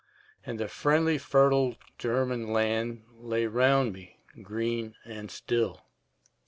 And the friendly fertile German land Lay round me green and still.